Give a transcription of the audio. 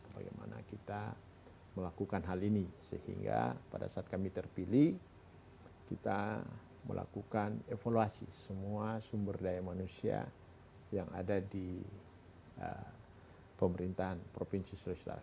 bagaimana kita melakukan hal ini sehingga pada saat kami terpilih kita melakukan evaluasi semua sumber daya manusia yang ada di pemerintahan provinsi sulawesi selatan